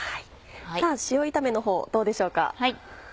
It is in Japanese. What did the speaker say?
さぁ塩炒めの方どうでしょうか？